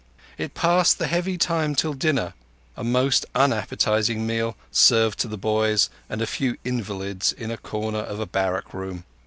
It passed the heavy time till dinner—a most unappetizing meal served to the boys and a few invalids in a corner of a barrack room.